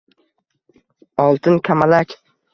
Oltin kamalak